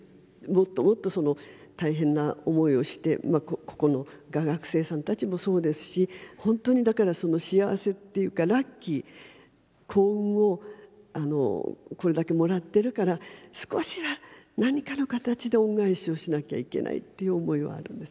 もっともっとその大変な思いをしてここの画学生さんたちもそうですし本当にだからその幸せっていうかラッキー幸運をこれだけもらってるから少しは何かの形で恩返しをしなきゃいけないっていう思いはあるんですね。